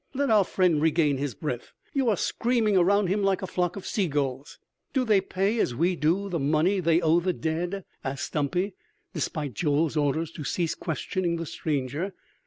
Let our friend regain his breath. You are screaming around him like a flock of sea gulls." "Do they pay, as we do, the money they owe the dead?" asked Stumpy, despite Joel's orders to cease questioning the stranger.